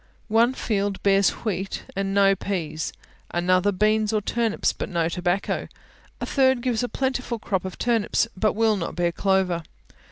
One field bears wheat, and no peas; another beans or turnips, but no tobacco; a third gives a plentiful crop of turnips, but will not bear clover.